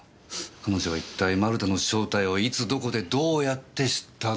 彼女は一体丸田の正体をいつどこでどうやって知ったのか。